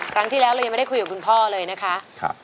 ครั้งที่แล้วเรายังไม่ได้คุยกับคุณพ่อเลยนะคะ